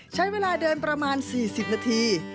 ใช้เวลาเดินประมาณ๔๐นาที